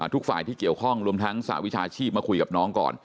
ทุกฝ่ายที่เกี่ยวข้องรวมทั้งสหวิชาชีพมาคุยกับน้องก่อน